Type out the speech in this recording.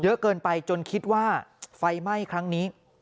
เยอะเกินไปจนคิดว่าไฟไหม้ครั้งนี้